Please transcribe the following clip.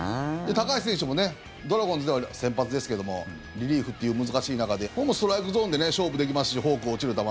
高橋選手もドラゴンズでは先発ですけどもリリーフという難しい中でほぼストライクゾーンで勝負できますしフォーク、落ちる球。